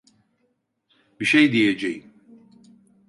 Bir şey diyeceğim.